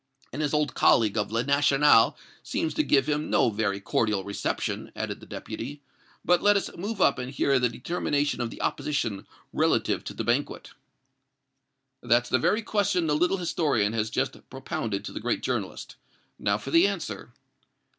"And his old colleague of 'Le National' seems to give him no very cordial reception," added the Deputy. "But let us move up and hear the determination of the opposition relative to the banquet." "That's the very question the little historian has just propounded to the great journalist. Now for the answer."